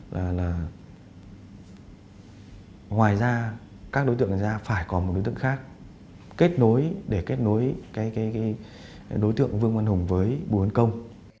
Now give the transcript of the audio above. và là ngoài ra các đối tượng này ra phải có một đối tượng khác kết nối để kết nối cái đối tượng vương văn hùng với bùi văn công